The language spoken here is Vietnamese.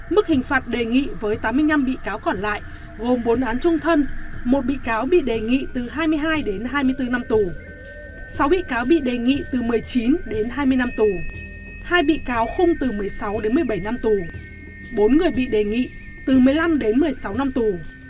mức hình phạt đề nghị với tám mươi năm bị cáo còn lại gồm bốn án trung thân một bị cáo bị đề nghị từ hai mươi hai đến hai mươi bốn năm tù sáu bị cáo bị đề nghị từ một mươi chín đến hai mươi năm tù hai bị cáo khung từ một mươi sáu đến một mươi bảy năm tù bốn người bị đề nghị từ một mươi năm đến một mươi sáu năm tù